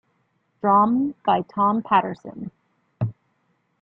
Drawn by Tom Paterson.